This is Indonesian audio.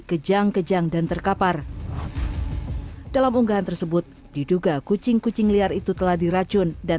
kejang kejang dan terkapar dalam unggahan tersebut diduga kucing kucing liar itu telah diracun dan